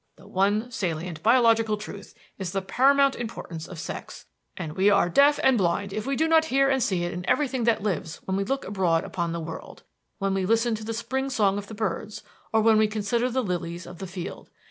The one salient biological truth is the paramount importance of sex; and we are deaf and blind if we do not hear and see it in everything that lives when we look abroad upon the world; when we listen to the spring song of the birds, or when we consider the lilies of the field.